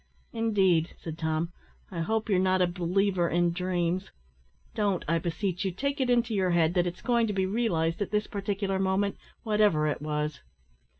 "Indeed!" said Tom; "I hope you're not a believer in dreams. Don't, I beseech you, take it into your head that it's going to be realised at this particular moment, whatever it was."